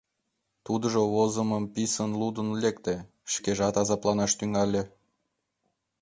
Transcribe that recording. Тудыжо возымым писын лудын лекте, шкежат азапланаш тӱҥале.